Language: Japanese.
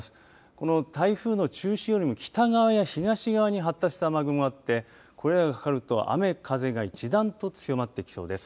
この台風の中心よりも北側や東側に発達した雨雲があってこれらがかかると雨風が一段と強まってきそうです。